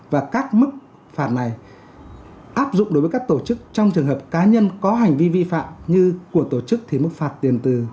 và các mức phạt này áp dụng đối với các tổ chức trong trường hợp cá nhân có hành vi vi phạm như của tổ chức thì mức phạt tiền từ